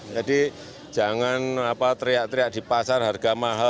jadi jangan teriak teriak di pasar harga mahal